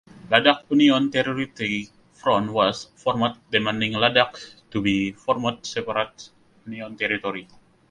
Ladakh Union Territory Front was formed demanding Ladakh to be formed separate Union territory.